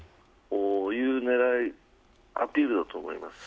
そういうアピールだと思います。